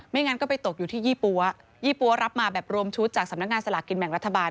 งั้นก็ไปตกอยู่ที่ยี่ปั๊วยี่ปั๊วรับมาแบบรวมชุดจากสำนักงานสลากกินแบ่งรัฐบาล